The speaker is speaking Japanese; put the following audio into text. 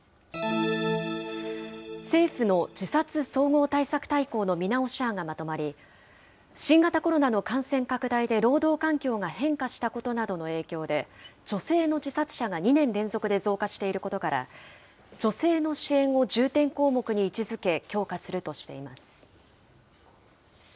政府の自殺総合対策大綱の見直し案がまとまり、新型コロナの感染拡大で労働環境が変化したことなどの影響で、女性の自殺者が２年連続で増加していることから、女性の支援を重点項目に位置づけ、強化するとしています。